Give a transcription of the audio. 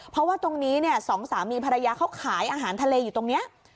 เพราะว่าตรงนี้เนี่ยสองสามีภรรยาเขาขายอาหารทะเลอยู่ตรงนี้